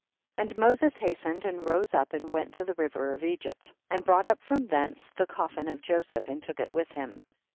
62. And Moses hastened and rose up and went to the river of Egypt, and brought up from thence the cof fin of Joseph and took it with him.